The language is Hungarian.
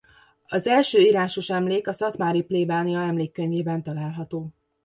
Az első írásos emlék a szatmári plébánia emlékkönyvében található.